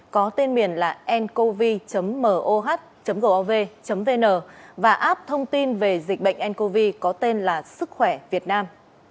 có tên miền là ncov moh gov vn và app thông tin về dịch bệnh ncov có tên là sức khỏe việt nam